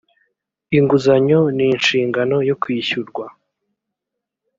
inguzanyo n inshingano yo kwishyurwa